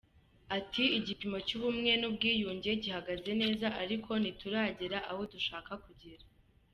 Ati ”Igipimo cy’ubumwe n’ubwiyunge gihagaze neza, ariko ntituragera aho dushaka kugera.